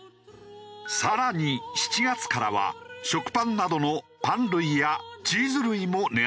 更に７月からは食パンなどのパン類やチーズ類も値上がりする。